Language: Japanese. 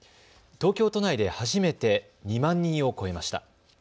東京都内で初めて２万人を超えました。